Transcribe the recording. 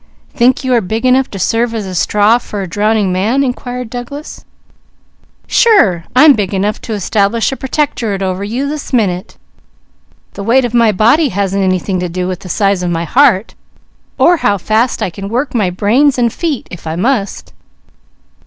"Think you are big enough to serve as a straw for a drowning man, Mickey?" inquired Douglas. "Sure! I'm big enough to establish a Pertectorate over you, this minute. The weight of my body hasn't anything to do with the size of my heart, or how fast I can work my brains and feet, if I must."